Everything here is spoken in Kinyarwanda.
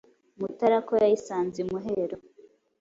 Mutara ko yayisanze imuhero !